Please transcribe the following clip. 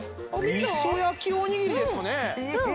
みそ焼きおにぎりですかね？